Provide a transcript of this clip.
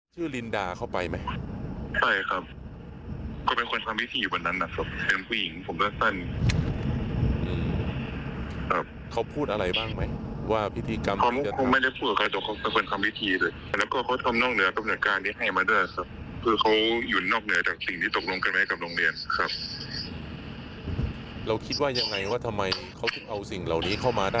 ชื่อลินดาเข้าไปไหม